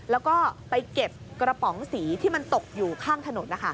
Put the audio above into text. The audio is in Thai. แล้วก็ไปเก็บกระป๋องสีที่มันตกอยู่ข้างถนน